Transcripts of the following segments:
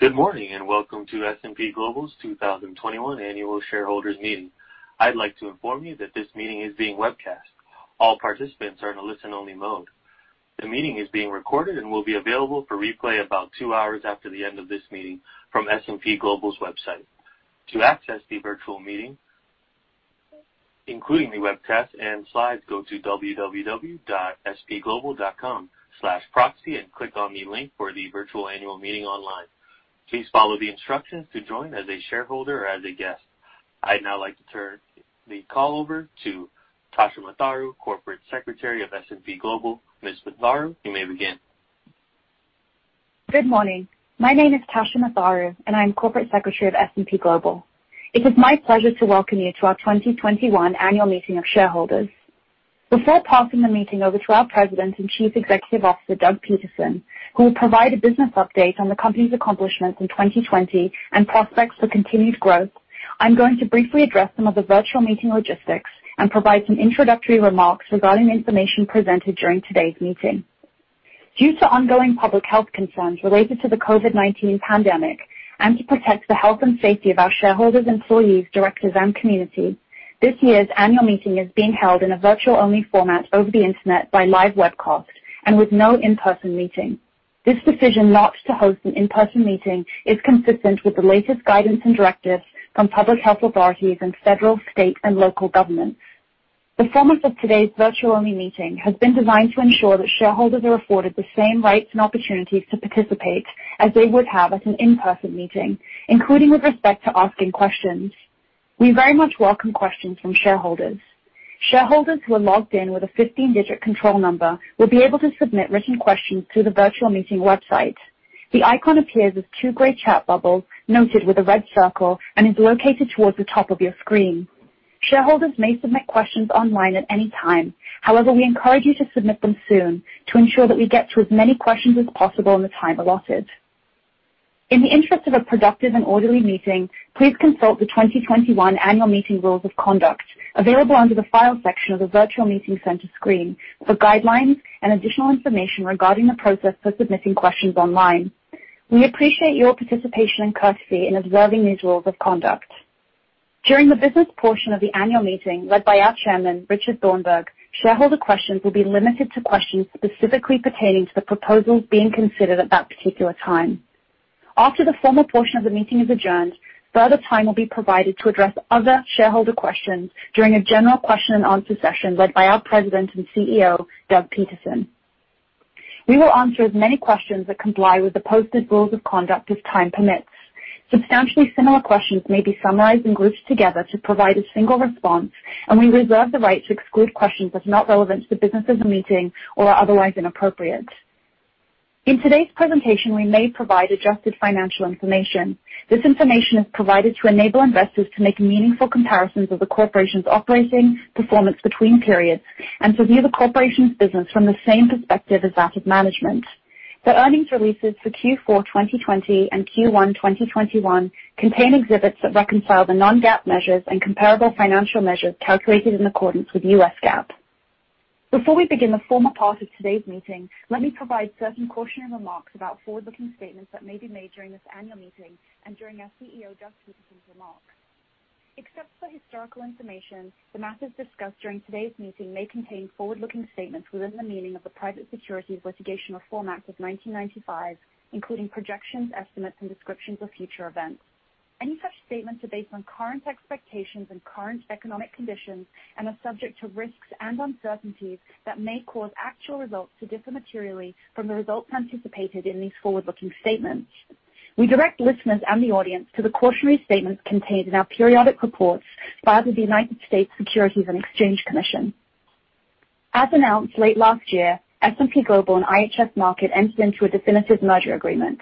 Good morning, and welcome to S&P Global's 2021 Annual Shareholders Meeting. I'd like to inform you that this meeting is being webcast. All participants are in a listen-only mode. The meeting is being recorded and will be available for replay about two hours after the end of this meeting from S&P Global's website. To access the virtual meeting, including the webcast and slides, go to www.spglobal.com/proxy and click on the link for the virtual annual meeting online. Please follow the instructions to join as a shareholder or as a guest. I'd now like to turn the call over to Tasha Matharu, corporate secretary of S&P Global. Ms. Matharu, you may begin. Good morning. My name is Tasha Matharu, and I'm Corporate Secretary of S&P Global. It is my pleasure to welcome you to our 2021 annual meeting of shareholders. Before passing the meeting over to our President and Chief Executive Officer, Doug Peterson, who will provide a business update on the company's accomplishments in 2020 and prospects for continued growth, I'm going to briefly address some of the virtual meeting logistics and provide some introductory remarks regarding information presented during today's meeting. Due to ongoing public health concerns related to the COVID-19 pandemic and to protect the health and safety of our shareholders, employees, directors, and community, this year's annual meeting is being held in a virtual-only format over the Internet by live webcast and with no in-person meeting. This decision not to host an in-person meeting is consistent with the latest guidance and directives from public health authorities and federal, state, and local governments. The format of today's virtual-only meeting has been designed to ensure that shareholders are afforded the same rights and opportunities to participate as they would have at an in-person meeting, including with respect to asking questions. We very much welcome questions from shareholders. Shareholders who are logged in with a 15-digit control number will be able to submit written questions through the virtual meeting website. The icon appears as two gray chat bubbles noted with a red circle and is located towards the top of your screen. Shareholders may submit questions online at any time. However, we encourage you to submit them soon to ensure that we get to as many questions as possible in the time allotted. In the interest of a productive and orderly meeting, please consult the 2021 annual meeting rules of conduct, available under the Files section of the virtual meeting center screen, for guidelines and additional information regarding the process for submitting questions online. We appreciate your participation and courtesy in observing these rules of conduct. During the business portion of the annual meeting led by our Chairman, Richard E. Thornburgh, shareholder questions will be limited to questions specifically pertaining to the proposals being considered at that particular time. After the formal portion of the meeting is adjourned, further time will be provided to address other shareholder questions during a general question and answer session led by our President and CEO, Douglas L. Peterson. We will answer as many questions that comply with the posted rules of conduct as time permits. Substantially similar questions may be summarized and grouped together to provide a single response, and we reserve the right to exclude questions as not relevant to the business of the meeting or otherwise inappropriate. In today's presentation, we may provide adjusted financial information. This information is provided to enable investors to make meaningful comparisons of the corporation's operating performance between periods and to view the corporation's business from the same perspective as that of management. The earnings releases for Q4 2020 and Q1 2021 contain exhibits that reconcile the non-GAAP measures and comparable financial measures calculated in accordance with U.S. GAAP. Before we begin the formal part of today's meeting, let me provide certain cautionary remarks about forward-looking statements that may be made during this annual meeting and during our CEO, Doug Peterson's remarks. Except for historical information, the matters discussed during today's meeting may contain forward-looking statements within the meaning of the Private Securities Litigation Reform Act of 1995, including projections, estimates, and descriptions of future events. Any such statements are based on current expectations and current economic conditions and are subject to risks and uncertainties that may cause actual results to differ materially from the results anticipated in these forward-looking statements. We direct listeners and the audience to the cautionary statements contained in our periodic reports filed with the United States Securities and Exchange Commission. As announced late last year, S&P Global and IHS Markit entered into a definitive merger agreement.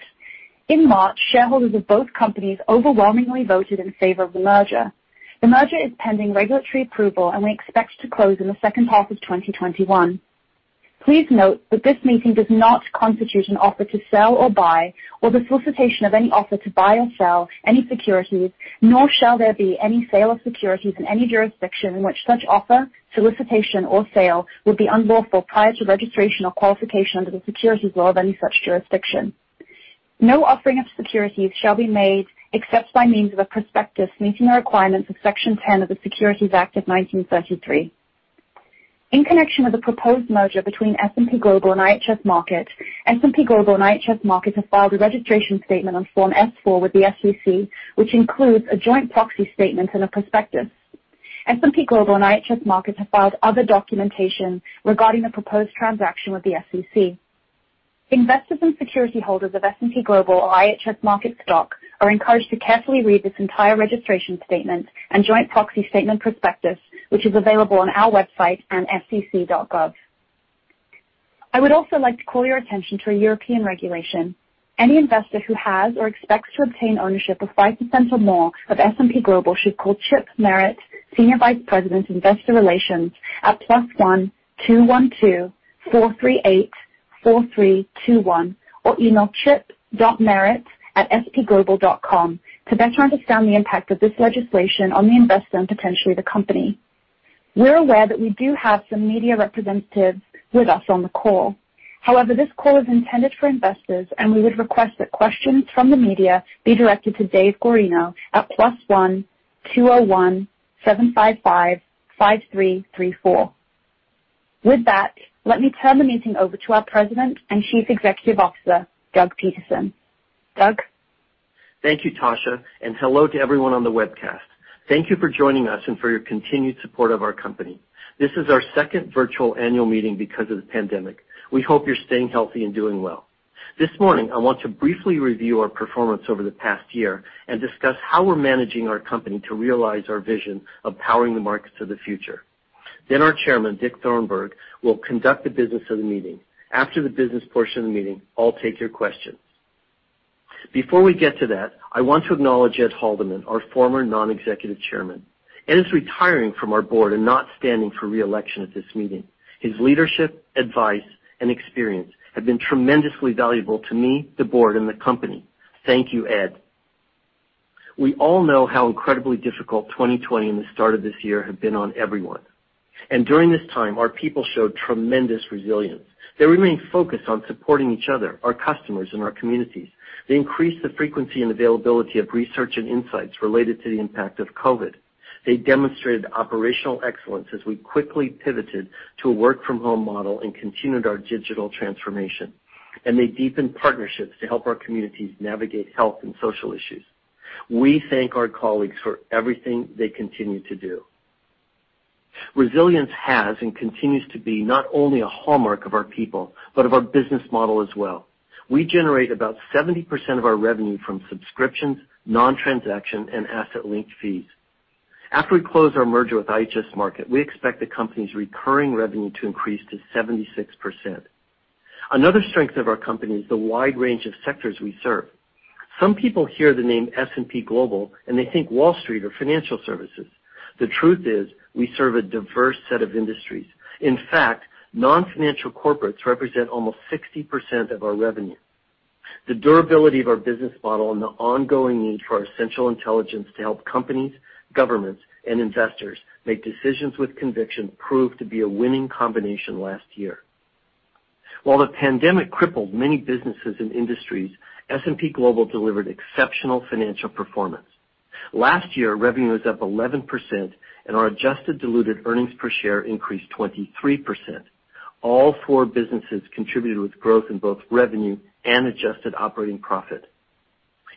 In March, shareholders of both companies overwhelmingly voted in favor of the merger. The merger is pending regulatory approval, and we expect to close in the second half of 2021. Please note that this meeting does not constitute an offer to sell or buy, or the solicitation of any offer to buy or sell any securities, nor shall there be any sale of securities in any jurisdiction in which such offer, solicitation, or sale would be unlawful prior to registration or qualification under the securities law of any such jurisdiction. No offering of securities shall be made except by means of a prospectus meeting the requirements of Section Ten of the Securities Act of 1933. In connection with the proposed merger between S&P Global and IHS Markit, S&P Global and IHS Markit have filed a registration statement on Form S-4 with the SEC, which includes a joint proxy statement and a prospectus. S&P Global and IHS Markit have filed other documentation regarding the proposed transaction with the SEC. Investors and security holders of S&P Global or IHS Markit stock are encouraged to carefully read this entire registration statement and joint proxy statement prospectus, which is available on our website and sec.gov. I would also like to call your attention to a European regulation. Any investor who has or expects to obtain ownership of 5% or more of S&P Global should call Chip Merritt, Senior Vice President, Investor Relations, at +1-212-438-4321 or email chip.merritt@spglobal.com to better understand the impact of this legislation on the investor and potentially the company. We're aware that we do have some media representatives with us on the call. This call is intended for investors, and we would request that questions from the media be directed to Dave Guarino at +1-201-755-5334. With that, let me turn the meeting over to our President and Chief Executive Officer, Doug Peterson. Doug? Thank you, Tasha. Hello to everyone on the webcast. Thank you for joining us and for your continued support of our company. This is our second virtual annual meeting because of the pandemic. We hope you're staying healthy and doing well. This morning, I want to briefly review our performance over the past year and discuss how we're managing our company to realize our vision of powering the markets to the future. Our Chairman, Dick Thornburgh, will conduct the business of the meeting. After the business portion of the meeting, I'll take your questions. Before we get to that, I want to acknowledge Ed Haldeman, our former Non-Executive Chairman. Ed is retiring from our board and not standing for re-election at this meeting. His leadership, advice, and experience have been tremendously valuable to me, the board, and the company. Thank you, Ed. We all know how incredibly difficult 2020 and the start of this year have been on everyone. During this time, our people showed tremendous resilience. They remained focused on supporting each other, our customers, and our communities. They increased the frequency and availability of research and insights related to the impact of COVID-19. They demonstrated operational excellence as we quickly pivoted to a work-from-home model and continued our digital transformation. They deepened partnerships to help our communities navigate health and social issues. We thank our colleagues for everything they continue to do. Resilience has, and continues to be, not only a hallmark of our people, but of our business model as well. We generate about 70% of our revenue from subscriptions, non-transaction, and asset-linked fees. After we close our merger with IHS Markit, we expect the company's recurring revenue to increase to 76%. Another strength of our company is the wide range of sectors we serve. Some people hear the name S&P Global, they think Wall Street or financial services. The truth is, we serve a diverse set of industries. In fact, non-financial corporates represent almost 60% of our revenue. The durability of our business model and the ongoing need for our essential intelligence to help companies, governments, and investors make decisions with conviction proved to be a winning combination last year. While the pandemic crippled many businesses and industries, S&P Global delivered exceptional financial performance. Last year, revenue was up 11%, our adjusted diluted earnings per share increased 23%. All four businesses contributed with growth in both revenue and adjusted operating profit.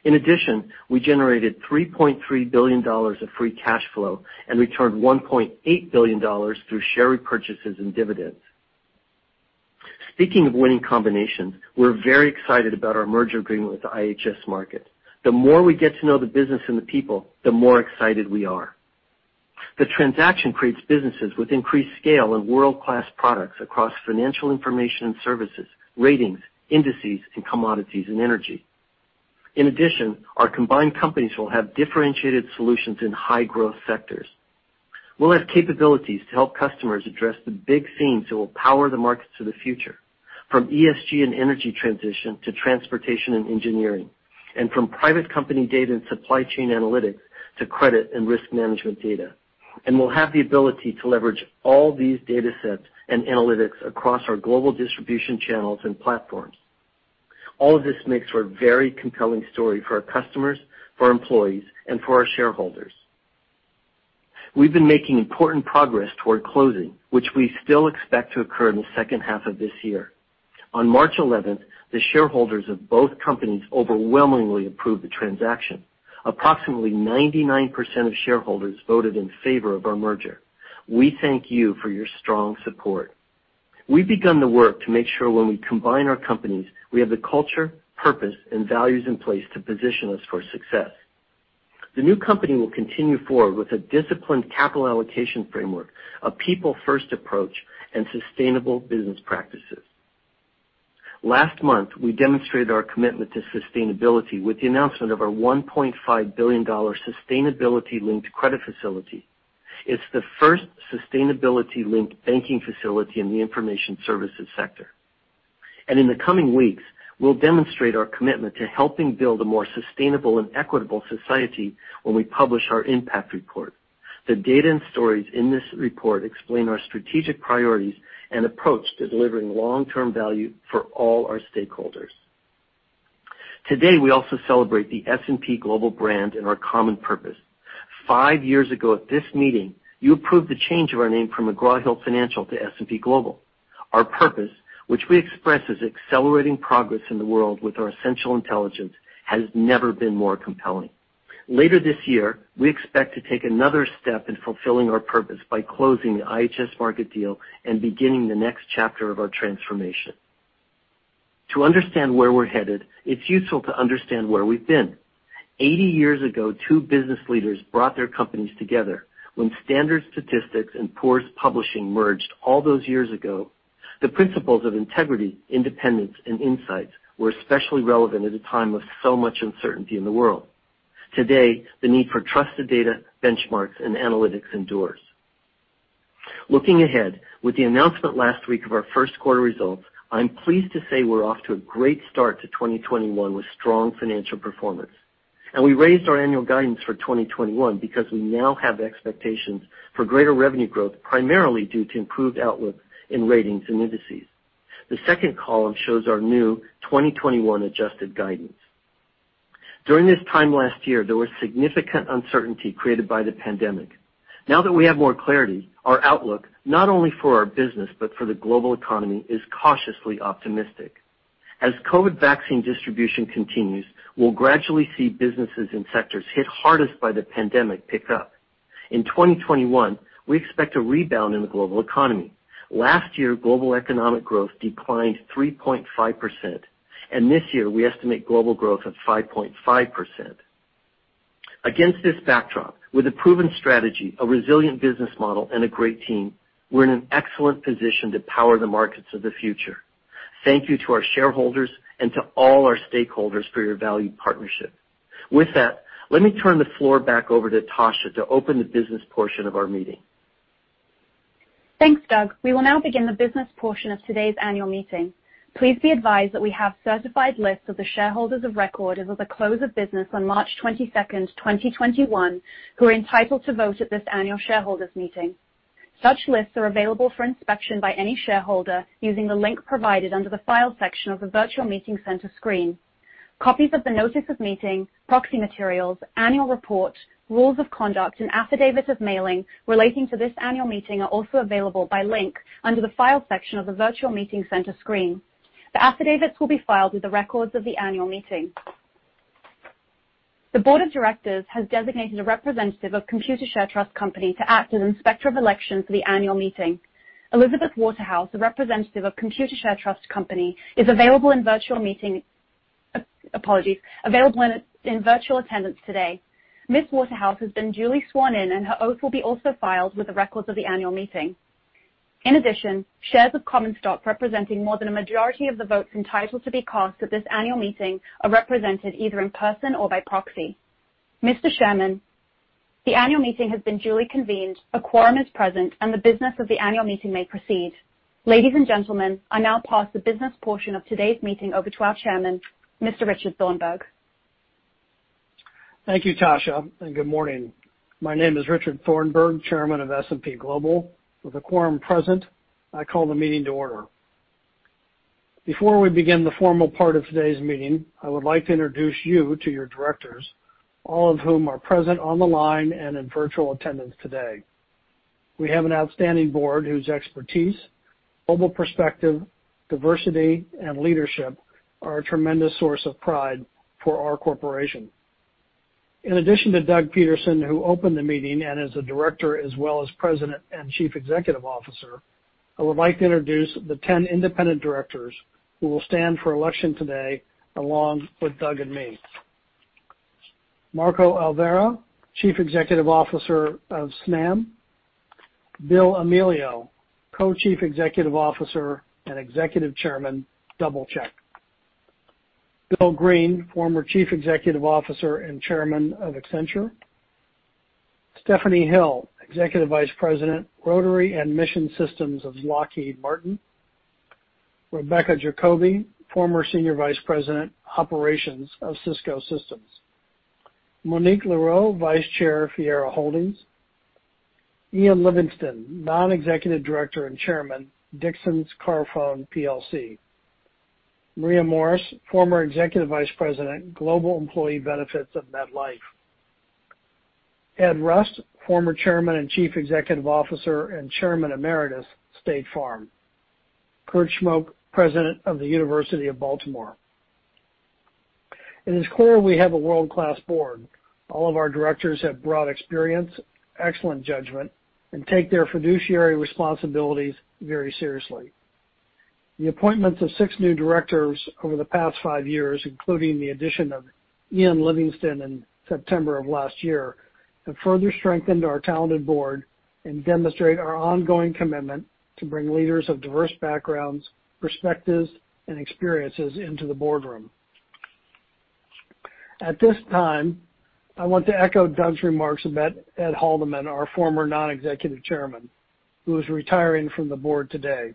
In addition, we generated $3.3 billion of free cash flow, returned $1.8 billion through share repurchases and dividends. Speaking of winning combinations, we're very excited about our merger agreement with IHS Markit. The more we get to know the business and the people, the more excited we are. The transaction creates businesses with increased scale and world-class products across financial information and services, ratings, indices, and commodities and energy. In addition, our combined companies will have differentiated solutions in high-growth sectors. We'll have capabilities to help customers address the big themes that will power the markets of the future, from ESG and energy transition to transportation and engineering, and from private company data and supply chain analytics to credit and risk management data. We'll have the ability to leverage all these data sets and analytics across our global distribution channels and platforms. All of this makes for a very compelling story for our customers, for our employees, and for our shareholders. We've been making important progress toward closing, which we still expect to occur in the second half of this year. On March 11th, the shareholders of both companies overwhelmingly approved the transaction. Approximately 99% of shareholders voted in favor of our merger. We thank you for your strong support. We've begun the work to make sure when we combine our companies, we have the culture, purpose, and values in place to position us for success. The new company will continue forward with a disciplined capital allocation framework, a people-first approach, and sustainable business practices. Last month, we demonstrated our commitment to sustainability with the announcement of our $1.5 billion sustainability-linked credit facility. It's the first sustainability-linked banking facility in the information services sector. In the coming weeks, we'll demonstrate our commitment to helping build a more sustainable and equitable society when we publish our impact report. The data and stories in this report explain our strategic priorities and approach to delivering long-term value for all our stakeholders. Today, we also celebrate the S&P Global brand and our common purpose. Five years ago at this meeting, you approved the change of our name from McGraw Hill Financial to S&P Global. Our purpose, which we express as accelerating progress in the world with our essential intelligence, has never been more compelling. Later this year, we expect to take another step in fulfilling our purpose by closing the IHS Markit deal and beginning the next chapter of our transformation. To understand where we're headed, it's useful to understand where we've been. 80 years ago, two business leaders brought their companies together. When Standard Statistics and Poor's Publishing merged all those years ago, the principles of integrity, independence, and insights were especially relevant at a time of so much uncertainty in the world. Today, the need for trusted data, benchmarks, and analytics endures. Looking ahead, with the announcement last week of our first quarter results, I'm pleased to say we're off to a great start to 2021 with strong financial performance. We raised our annual guidance for 2021 because we now have expectations for greater revenue growth, primarily due to improved outlook in ratings and indices. The second column shows our new 2021 adjusted guidance. During this time last year, there was significant uncertainty created by the pandemic. Now that we have more clarity, our outlook, not only for our business, but for the global economy, is cautiously optimistic. As COVID vaccine distribution continues, we'll gradually see businesses and sectors hit hardest by the pandemic pick up. In 2021, we expect a rebound in the global economy. Last year, global economic growth declined 3.5%, and this year, we estimate global growth of 5.5%. Against this backdrop, with a proven strategy, a resilient business model, and a great team, we're in an excellent position to power the markets of the future. Thank you to our shareholders and to all our stakeholders for your valued partnership. With that, let me turn the floor back over to Tasha to open the business portion of our meeting. Thanks, Doug. We will now begin the business portion of today's annual meeting. Please be advised that we have certified lists of the shareholders of record as of the close of business on March 22nd, 2021, who are entitled to vote at this annual shareholders meeting. Such lists are available for inspection by any shareholder using the link provided under the Files section of the Virtual Meeting Center screen. Copies of the notice of meeting, proxy materials, annual report, rules of conduct, and affidavit of mailing relating to this annual meeting are also available by link under the Files section of the Virtual Meeting Center screen. The affidavits will be filed with the records of the annual meeting. The board of directors has designated a representative of Computershare Trust Company to act as Inspector of Election for the annual meeting. Elizabeth Waterhouse, a representative of Computershare Trust Company, is available in virtual attendance today. Ms. Waterhouse has been duly sworn in, and her oath will be also filed with the records of the annual meeting. Shares of common stock representing more than a majority of the votes entitled to be cast at this annual meeting are represented either in person or by proxy. Mr. Chairman, the annual meeting has been duly convened, a quorum is present, and the business of the annual meeting may proceed. Ladies and gentlemen, I now pass the business portion of today's meeting over to our chairman, Mr. Richard E. Thornburgh. Thank you, Tasha, and good morning. My name is Richard E. Thornburgh, Chairman of S&P Global. With a quorum present, I call the meeting to order. Before we begin the formal part of today's meeting, I would like to introduce you to your directors, all of whom are present on the line and in virtual attendance today. We have an outstanding board whose expertise, global perspective, diversity, and leadership are a tremendous source of pride for our corporation. In addition to Douglas L. Peterson, who opened the meeting and is a director as well as President and Chief Executive Officer, I would like to introduce the 10 independent directors who will stand for election today, along with Douglas L. Peterson and me. Marco Alverà, Chief Executive Officer of Snam. Bill Amelio, Co-Chief Executive Officer and Executive Chairman, DoubleCheck. Bill Green, former Chief Executive Officer and Chairman of Accenture. Stephanie Hill, Executive Vice President, Rotary and Mission Systems of Lockheed Martin. Rebecca Jacoby, former Senior Vice President, Operations of Cisco Systems. Monique Leroux, Vice Chair, Fiera Holdings. Ian Livingstone, Non-Executive Director and Chairman, Dixons Carphone PLC. Maria Morris, former Executive Vice President, Global Employee Benefits of MetLife. Ed Rust, former Chairman and Chief Executive Officer and Chairman Emeritus, State Farm. Kurt Schmoke, President of the University of Baltimore. At its core, we have a world-class board. All of our directors have broad experience, excellent judgment, and take their fiduciary responsibilities very seriously. The appointments of six new directors over the past five years, including the addition of Ian Livingstone in September of last year, have further strengthened our talented board and demonstrate our ongoing commitment to bring leaders of diverse backgrounds, perspectives, and experiences into the boardroom. At this time, I want to echo Doug's remarks about Ed Haldeman, our former non-executive chairman, who is retiring from the board today.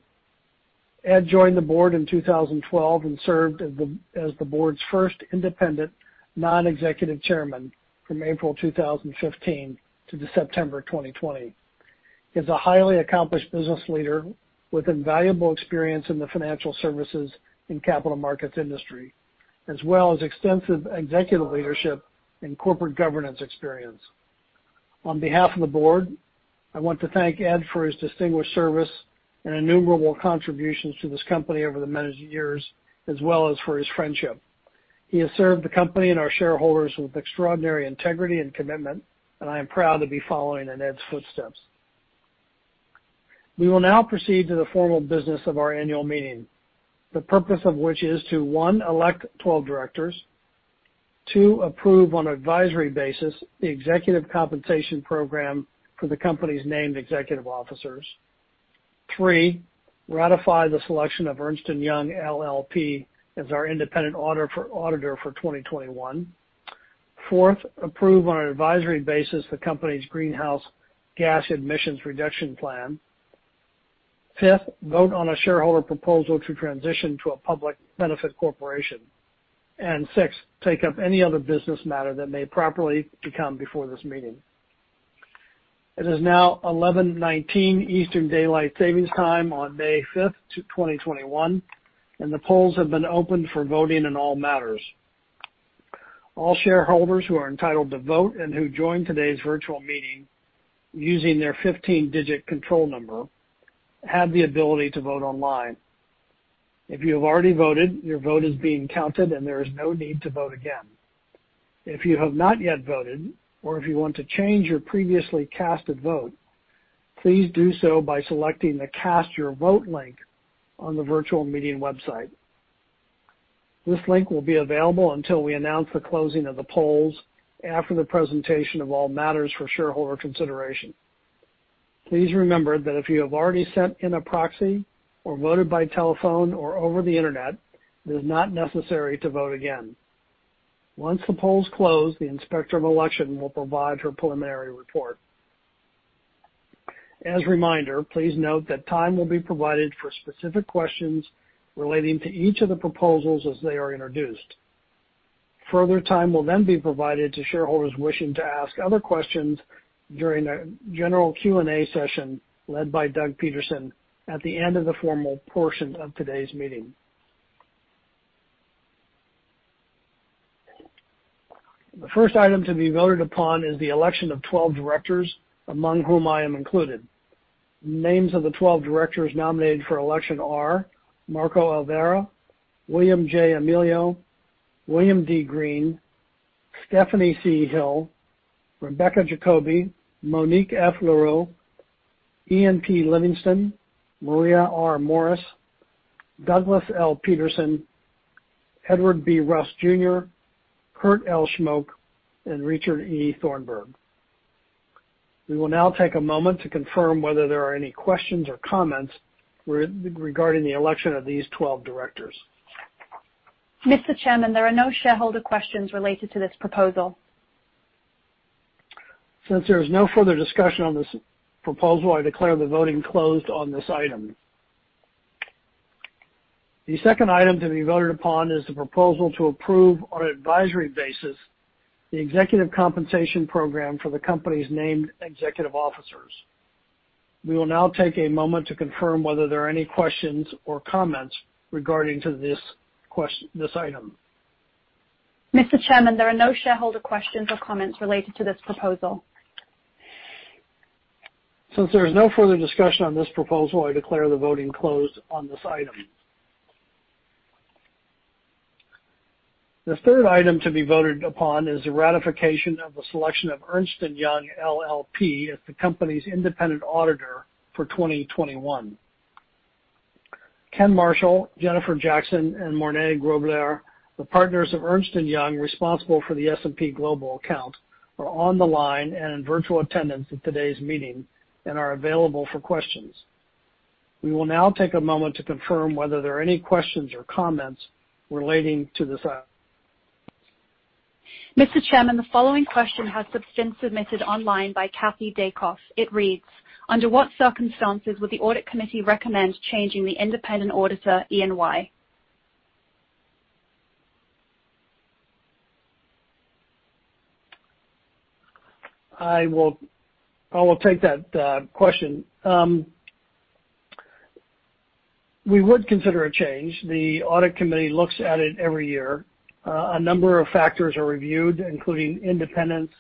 Ed joined the board in 2012 and served as the board's first independent non-executive chairman from April 2015 to September 2020. He is a highly accomplished business leader with invaluable experience in the financial services and capital markets industry, as well as extensive executive leadership and corporate governance experience. On behalf of the board, I want to thank Ed for his distinguished service and innumerable contributions to this company over the many years, as well as for his friendship. He has served the company and our shareholders with extraordinary integrity and commitment, and I am proud to be following in Ed's footsteps. We will now proceed to the formal business of our annual meeting, the purpose of which is to, one, elect 12 directors. Two, approve on an advisory basis the executive compensation program for the company's named executive officers. Three, ratify the selection of Ernst & Young LLP as our independent auditor for 2021. Fourth, approve on an advisory basis the company's greenhouse gas emissions reduction plan. Fifth, vote on a shareholder proposal to transition to a public benefit corporation. Sixth, take up any other business matter that may properly come before this meeting. It is now 11:19 Eastern Daylight Savings Time on May 5th, 2021, and the polls have been opened for voting in all matters. All shareholders who are entitled to vote and who joined today's virtual meeting using their 15 digit control number have the ability to vote online. If you have already voted, your vote is being counted and there is no need to vote again. If you have not yet voted or if you want to change your previously casted vote, please do so by selecting the Cast Your Vote link on the virtual meeting website. This link will be available until we announce the closing of the polls after the presentation of all matters for shareholder consideration. Please remember that if you have already sent in a proxy or voted by telephone or over the internet, it is not necessary to vote again. Once the polls close, the Inspector of Election will provide her preliminary report. As a reminder, please note that time will be provided for specific questions relating to each of the proposals as they are introduced. Further time will then be provided to shareholders wishing to ask other questions during a general Q&A session led by Doug Peterson at the end of the formal portion of today's meeting. The first item to be voted upon is the election of 12 directors, among whom I am included. Names of the 12 directors nominated for election are Marco Alverà, William J. Amelio, William D. Green, Stephanie C. Hill, Rebecca Jacoby, Monique F. Leroux, Ian P. Livingstone, Maria R. Morris, Douglas L. Peterson, Edward B. Rust Jr., Kurt L. Schmoke, and Richard E. Thornburgh. We will now take a moment to confirm whether there are any questions or comments regarding the election of these 12 directors. Mr. Chairman, there are no shareholder questions related to this proposal. Since there is no further discussion on this proposal, I declare the voting closed on this item. The second item to be voted upon is the proposal to approve, on an advisory basis, the executive compensation program for the company's named executive officers. We will now take a moment to confirm whether there are any questions or comments regarding this item. Mr. Chairman, there are no shareholder questions or comments related to this proposal. Since there is no further discussion on this proposal, I declare the voting closed on this item. The third item to be voted upon is the ratification of the selection of Ernst & Young LLP as the company's independent auditor for 2021. Ken Marshall, Jennifer Jackson, and Morne Grobler, the partners of Ernst & Young responsible for the S&P Global account, are on the line and in virtual attendance at today's meeting and are available for questions. We will now take a moment to confirm whether there are any questions or comments relating to this item. Mr. Chairman, the following question has been submitted online by Kathy Daycoff. It reads, "Under what circumstances would the audit committee recommend changing the independent auditor, EY? I will take that question. We would consider a change. The audit committee looks at it every year. A number of factors are reviewed, including independence,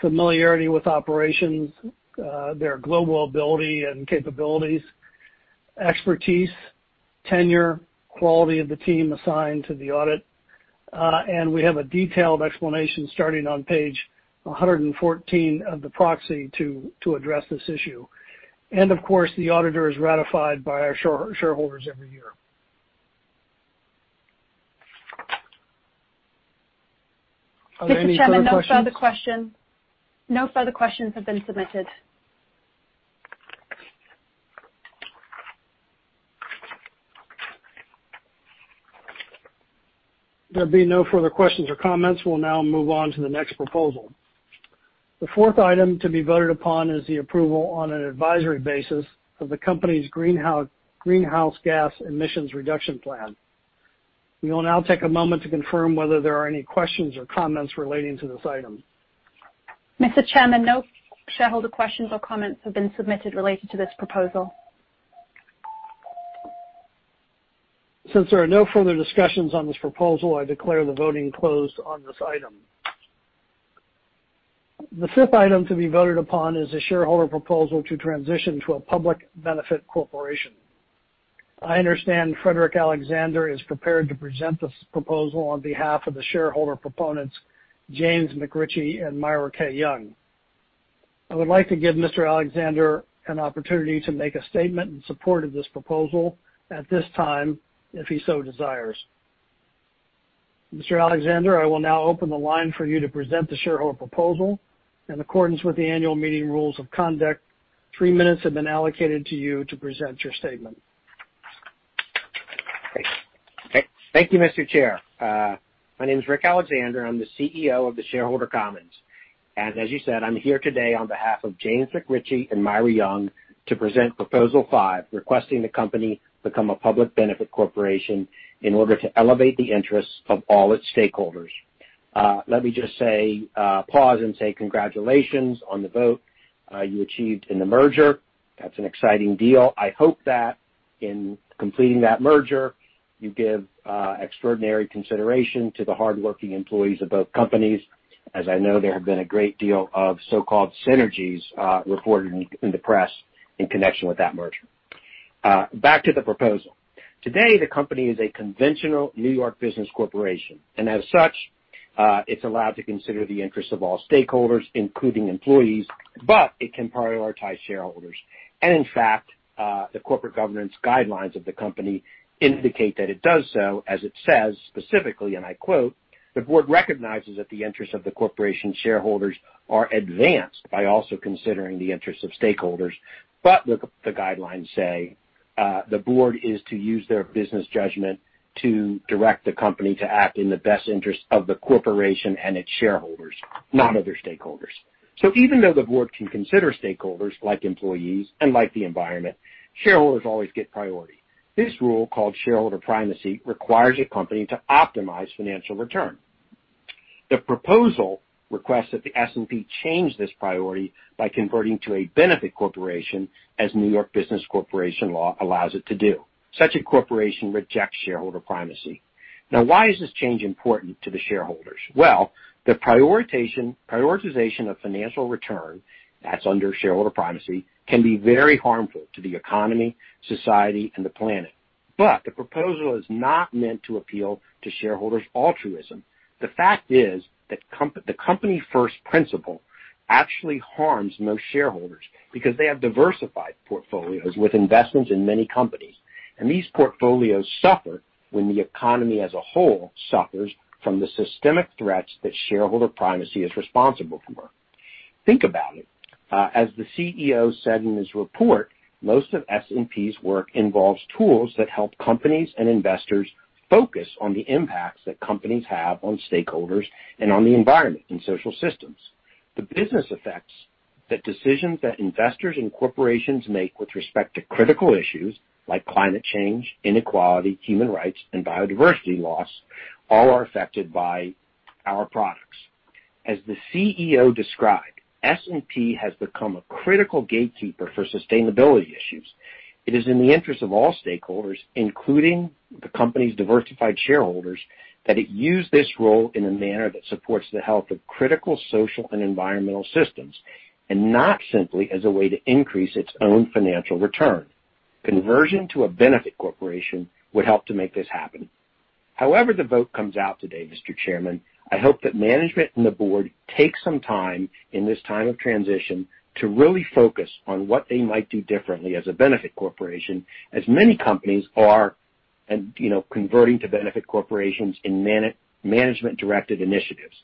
familiarity with operations, their global ability and capabilities, expertise, tenure, quality of the team assigned to the audit. We have a detailed explanation starting on page 114 of the proxy to address this issue. Of course, the auditor is ratified by our shareholders every year. Are there any further questions? Mr. Chairman, no further questions have been submitted. There being no further questions or comments, we'll now move on to the next proposal. The fourth item to be voted upon is the approval on an advisory basis of the company's greenhouse gas emissions reduction plan. We will now take a moment to confirm whether there are any questions or comments relating to this item. Mr. Chairman, no shareholder questions or comments have been submitted related to this proposal. Since there are no further discussions on this proposal, I declare the voting closed on this item. The fifth item to be voted upon is a shareholder proposal to transition to a public benefit corporation. I understand Frederick Alexander is prepared to present this proposal on behalf of the shareholder proponents, James McRitchie and Myra K. Young. I would like to give Mr. Alexander an opportunity to make a statement in support of this proposal at this time, if he so desires. Mr. Alexander, I will now open the line for you to present the shareholder proposal. In accordance with the annual meeting rules of conduct, three minutes have been allocated to you to present your statement. Great. Thank you, Mr. Chair. My name is Rick Alexander. I'm the CEO of The Shareholder Commons, and as you said, I'm here today on behalf of James McRitchie and Myra K. Young to present Proposal five, requesting the company become a public benefit corporation in order to elevate the interests of all its stakeholders. Let me just pause and say congratulations on the vote you achieved in the merger. That's an exciting deal. I hope that in completing that merger, you give extraordinary consideration to the hardworking employees of both companies, as I know there have been a great deal of so-called synergies reported in the press in connection with that merger. Back to the proposal. Today, the company is a conventional New York business corporation, and as such, it's allowed to consider the interests of all stakeholders, including employees, but it can prioritize shareholders. In fact, the corporate governance guidelines of the company indicate that it does so, as it says specifically, and I quote, "The board recognizes that the interests of the corporation shareholders are advanced by also considering the interests of stakeholders." Look, the guidelines say, the board is to use their business judgment to direct the company to act in the best interest of the corporation and its shareholders, not other stakeholders. Even though the board can consider stakeholders like employees and like the environment, shareholders always get priority. This rule, called shareholder primacy, requires a company to optimize financial return. The proposal requests that the S&P change this priority by converting to a benefit corporation as New York business corporation law allows it to do. Such a corporation rejects shareholder primacy. Why is this change important to the shareholders? Well, the prioritization of financial return, that's under shareholder primacy, can be very harmful to the economy, society, and the planet. The proposal is not meant to appeal to shareholders' altruism. The fact is that the company first principle actually harms most shareholders because they have diversified portfolios with investments in many companies, and these portfolios suffer when the economy as a whole suffers from the systemic threats that shareholder primacy is responsible for. Think about it. As the CEO said in his report, most of S&P's work involves tools that help companies and investors focus on the impacts that companies have on stakeholders and on the environment and social systems. The business effects, the decisions that investors and corporations make with respect to critical issues like climate change, inequality, human rights, and biodiversity loss, all are affected by our products. As the CEO described, S&P has become a critical gatekeeper for sustainability issues. It is in the interest of all stakeholders, including the company's diversified shareholders, that it use this role in a manner that supports the health of critical social and environmental systems, and not simply as a way to increase its own financial return. Conversion to a benefit corporation would help to make this happen. The vote comes out today, Mr. Chairman, I hope that management and the board take some time in this time of transition to really focus on what they might do differently as a benefit corporation, as many companies are converting to benefit corporations in management-directed initiatives.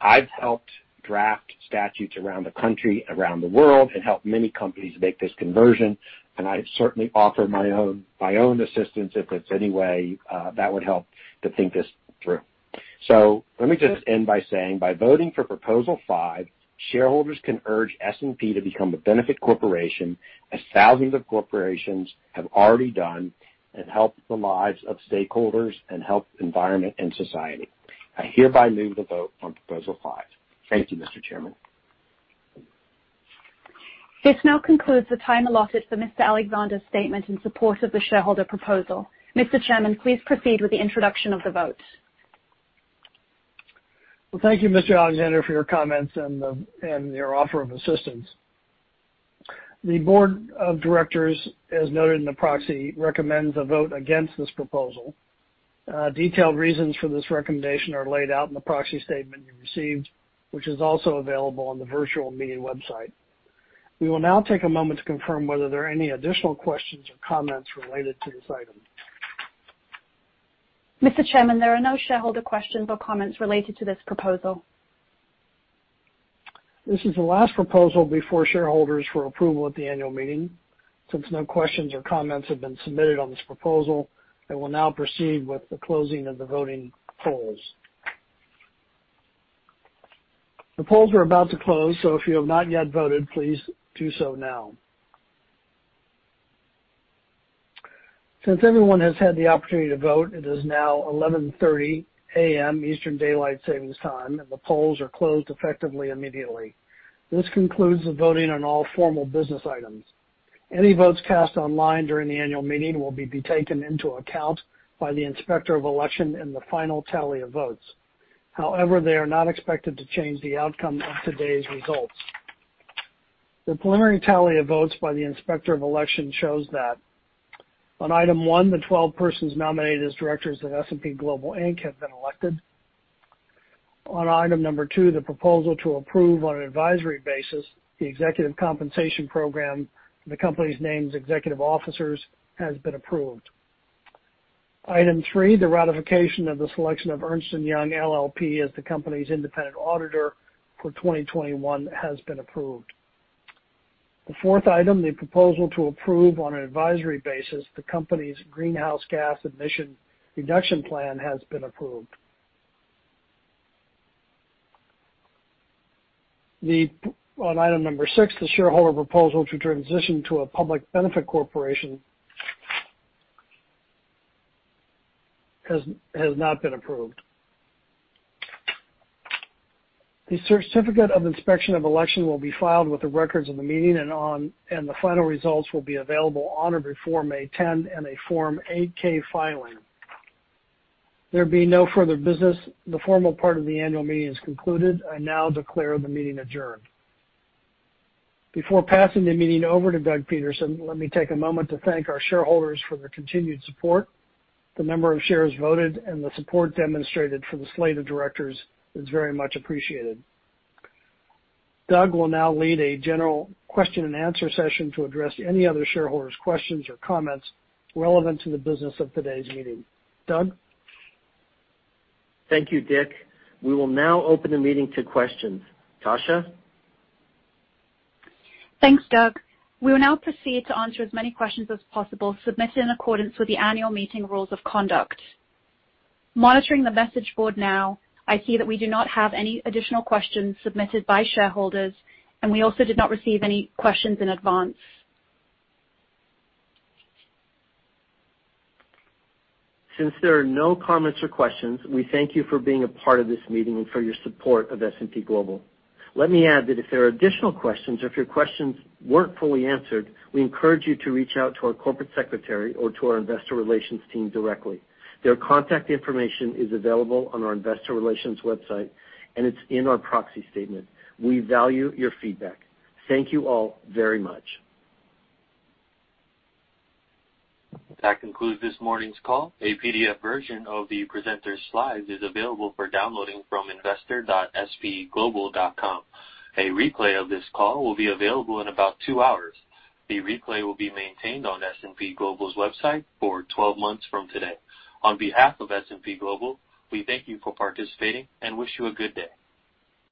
I've helped draft statutes around the country, around the world, and helped many companies make this conversion, and I certainly offer my own assistance if it's any way that would help to think this through. Let me just end by saying, by voting for Proposal 5, shareholders can urge S&P to become a benefit corporation as thousands of corporations have already done and helped the lives of stakeholders and helped environment and society. I hereby move the vote on Proposal 5. Thank you, Mr. Chairman. This now concludes the time allotted for Mr. Alexander's statement in support of the shareholder proposal. Mr. Chairman, please proceed with the introduction of the vote. Well, thank you, Mr. Alexander, for your comments and your offer of assistance. The board of directors, as noted in the proxy, recommends a vote against this proposal. Detailed reasons for this recommendation are laid out in the proxy statement you received, which is also available on the virtual meeting website. We will now take a moment to confirm whether there are any additional questions or comments related to this item. Mr. Chairman, there are no shareholder questions or comments related to this proposal. This is the last proposal before shareholders for approval at the annual meeting. Since no questions or comments have been submitted on this proposal, I will now proceed with the closing of the voting polls. The polls are about to close, so if you have not yet voted, please do so now. Since everyone has had the opportunity to vote, it is now 11:30 A.M. Eastern Daylight Saving Time, and the polls are closed effectively immediately. This concludes the voting on all formal business items. Any votes cast online during the annual meeting will be taken into account by the Inspector of Election in the final tally of votes. However, they are not expected to change the outcome of today's results. The preliminary tally of votes by the Inspector of Election shows that on Item one, the 12 persons nominated as directors of S&P Global Inc. have been elected. On Item Number two, the proposal to approve on an advisory basis the executive compensation program and the company's named executive officers has been approved. Item three, the ratification of the selection of Ernst & Young LLP as the company's independent auditor for 2021 has been approved. The fourth item, the proposal to approve on an advisory basis the company's greenhouse gas emission reduction plan has been approved. On Item Number six, the shareholder proposal to transition to a public benefit corporation has not been approved. The certificate of inspection of election will be filed with the records of the meeting and the final results will be available on or before May 10 in a Form 8-K filing. There being no further business, the formal part of the annual meeting is concluded. I now declare the meeting adjourned. Before passing the meeting over to Doug Peterson, let me take a moment to thank our shareholders for their continued support. The number of shares voted and the support demonstrated for the slate of directors is very much appreciated. Doug will now lead a general question and answer session to address any other shareholders' questions or comments relevant to the business of today's meeting. Doug? Thank you, Rich. We will now open the meeting to questions. Tasha? Thanks, Doug. We will now proceed to answer as many questions as possible submitted in accordance with the annual meeting rules of conduct. Monitoring the message board now, I see that we do not have any additional questions submitted by shareholders, and we also did not receive any questions in advance. Since there are no comments or questions, we thank you for being a part of this meeting and for your support of S&P Global. Let me add that if there are additional questions or if your questions weren't fully answered, we encourage you to reach out to our corporate secretary or to our investor relations team directly. Their contact information is available on our investor relations website, and it's in our proxy statement. We value your feedback. Thank you all very much. That concludes this morning's call. A PDF version of the presenters' slides is available for downloading from investor.spglobal.com. A replay of this call will be available in about two hours. The replay will be maintained on S&P Global's website for 12 months from today. On behalf of S&P Global, we thank you for participating and wish you a good day.